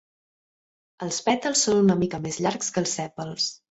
Els pètals són una mica més llargs que els sèpals.